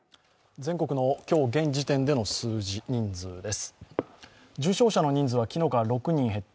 全国の今日現時点での数字人数です。